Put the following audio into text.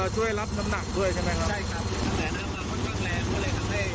ถ้ามันก็เดินรถไม่ได้นานเลยนะ